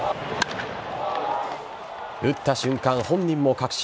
打った瞬間、本人も確信。